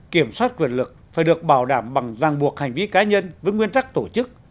kiểm soát quyền lực phải được bảo đảm bằng giang buộc hành vi cá nhân với nguyên tắc tổ chức